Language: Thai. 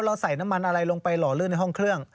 เพิ่มอัตราเร่ง